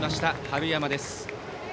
春山です。